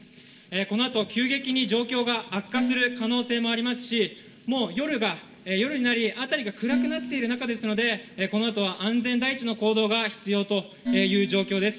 このあと急激に状況が悪化する可能性もありますし、もう夜になり、辺りが暗くなっている中ですので、このあとは安全第一の行動が必要という状況です。